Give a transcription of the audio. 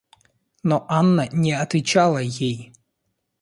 Но Анна не отвечала ей.